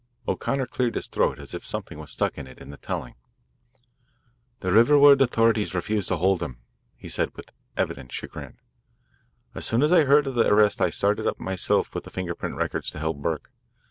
O'Connor cleared his throat as if something stuck in it, in the telling. "The Riverwood authorities refused to hold them," he said with evident chagrin. "As soon as I heard of the arrest I started up myself with the finger print records to help Burke.